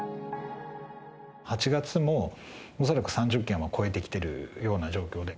８月も恐らく３０件は超えてきてるような状況で。